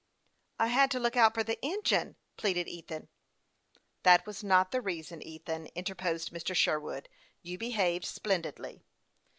" I had to look out for the engine," pleaded Ethan. " That was not the reason, Ethan," interposed Mrs. Sherwood. " You behaved splendidly."